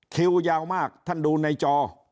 คิวยาวมากท่านดูในจอ